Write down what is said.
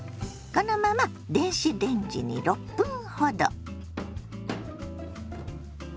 このまま電子レンジに６分ほど。